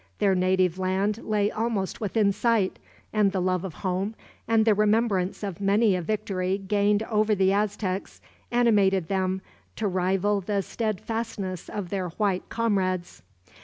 Their native land lay almost within sight, and the love of home, and the remembrance of many a victory gained over the Aztecs, animated them to rival the steadfastness of their white comrades.